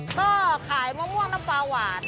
ก็ขายมะม่วงน้ำปลาหวาน